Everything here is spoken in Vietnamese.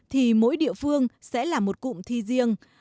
thì mỗi địa phương sẽ là một cụm thi riêng